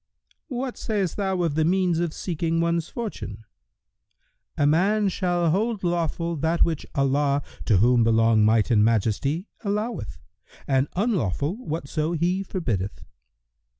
Q "What sayst thou of the means of seeking one's fortune?"—"A man shall hold lawful that which Allah (to whom belong Might and Majesty!) alloweth, and unlawful whatso He forbiddeth."